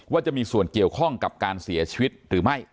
จะมีส่วนเกี่ยวข้องกับการเสียชีวิตหรือไม่